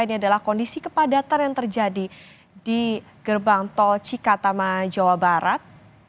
ini adalah kondisi kepadatan yang terjadi di gerbang tol cikatama jawa barat